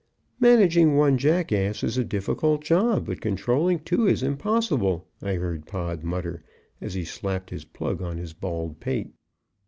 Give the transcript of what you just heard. "Managing one jackass is a difficult job, but controlling two is impossible," I heard Pod mutter, as he slapped his plug on his bald pate.